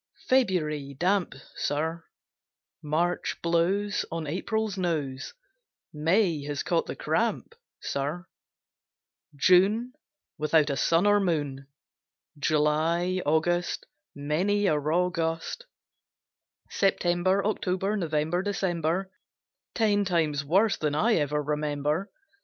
February damp, Sir; March blows On April's nose, May has caught the cramp, Sir; June, Without a sun or moon! July, August, Many a raw gust; September, October, November, December, Ten times worse than I ever remember.